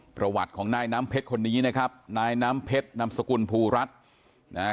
ประวัติของนายน้ำเพชรคนนี้นะครับนายน้ำเพชรนามสกุลภูรัฐนะฮะ